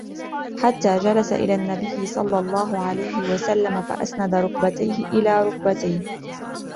حتَّى جَلَسَ إلى النَّبيِّ صَلَّى اللهُ عَلَيْهِ وَسَلَّمَ فَأَسْنَدَ رُكْبَتَيْهِ إِلى رُكْبَتَيْهِ